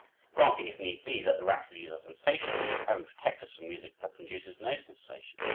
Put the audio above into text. Granting, if need be, that the Rhapsodies are sensational, heaven protect us from music that produces no sensation!